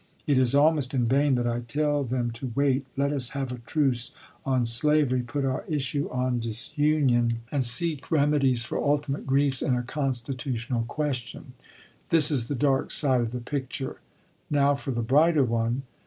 It is almost in vain that I tell them to wait, let us have a truce on slavery, put our issue on disunion, 366 ABEAHAM LINCOLN Seward to Lincoln, Jan. 27, 1861. MS. and seek remedies for ultimate griefs in a constitutional question. This is the dark side of the picture. Now for the brighter one.